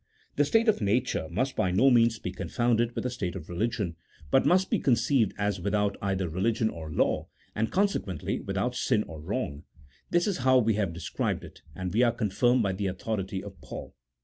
The state of nature must by no means be confounded with a state of religion, but must be conceived as without either religion or law, and consequently without sin or wrong: this is how we have described it, and we are confirmed by the authority of Paul.